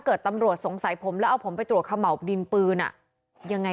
คือเขามาเรียกเราสอบปัดคำหรือยังไง